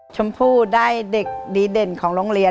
ชมพู่ได้เด็กดีเด่นของโรงเรียน